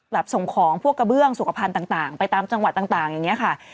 ส่งของพวกกระเบื้องสุขภัณฑ์ต่างไปตามจังหวัดต่างอย่างนี้ค่ะ